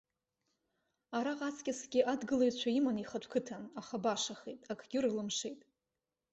Араҟа аҵкьысгьы адгылаҩцәа иман ихатә қыҭан, аха башахеит, акгьы рылымшеит.